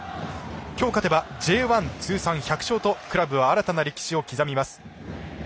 今日、勝てばＪ１通算１００勝とクラブは新たな歴史を刻みます。